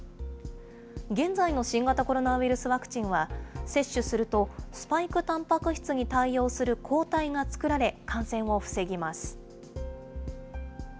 現在の新型コロナウイルスワクチンは、接種するとスパイクたんぱく質に対応する抗体が作られ、感染を防ぎます。